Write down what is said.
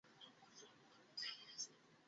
মৃত্যুর দায়ভার তো কাউকে না কাউকে নিতেই হবে।